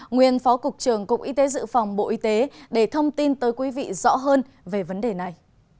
nguyên phó cục trưởng cục y tế dự phòng bộ y tế để thông tin tới quý vị rõ hơn về vấn đề này